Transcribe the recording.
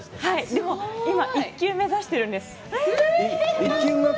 でも、今、一級目指しているんです。